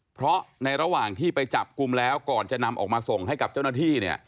เพราะในระหว่างที่ไปจับกลุ่มแล้วก่อนจะนำออกมาส่งให้กับเจ้าหน้าที่เนี่ย